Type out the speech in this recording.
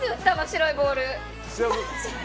白いボール。